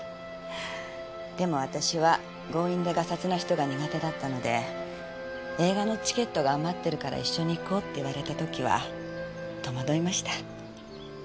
でも私は強引でがさつな人が苦手だったので映画のチケットが余ってるから一緒に行こうって言われた時はとまどいました。